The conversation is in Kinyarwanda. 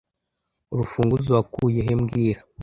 Urufunguzo wakuye he mbwira